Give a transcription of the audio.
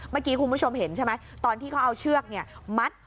เมื่อกี้คุณผู้ชมเห็นใช่ไหมตอนที่เขาเอาเชือกมัด